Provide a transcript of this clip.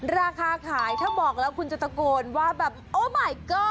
ราคาขายถ้าบอกแล้วคุณจะตะโกนว่าแบบโอ้ไมเกอร์